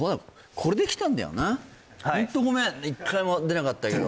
これで来たんだよなホントごめん１回も出なかったけど